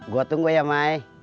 gue tunggu ya ma